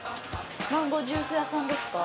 マンゴージュース屋さんですか？